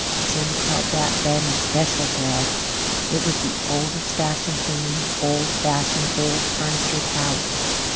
Jims held that bed in special dread. It was the oldest fashioned thing in the old fashioned, old furnitured house.